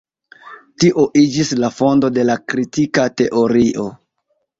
Tio iĝis la fondo de la kritika teorio.